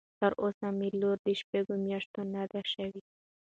تر اوسه مې لور د شپږ مياشتو نه ده شوى.